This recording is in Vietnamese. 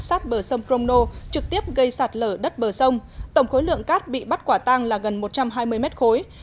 sát bờ sông krono trực tiếp gây sạt lở đất bờ sông tổng khối lượng cát bị bắt quả tang là gần một trăm hai mươi mét khối